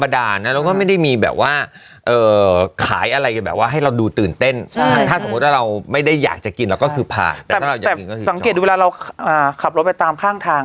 แสงเกดก็ครับเวลาเราคลับคล้ำไปตามข้างทาง